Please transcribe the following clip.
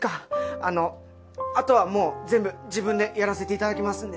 あのあとはもう全部自分でやらせていただきますんで。